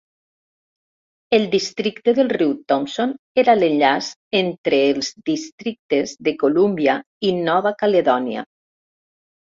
El districte del riu Thompson era l'enllaç entre els districtes de Columbia i Nova Caledònia.